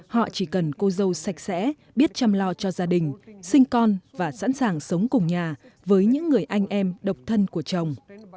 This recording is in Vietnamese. họ chỉ cần cô dâu sạch sẽ biết chăm lo cho gia đình sinh con và sẵn sàng sống cùng nhà với những người anh em độc thân của chồng